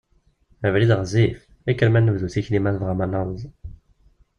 Abrid ɣezzif, kkrem ad nebdu tikli ma tebɣam ad naweḍ.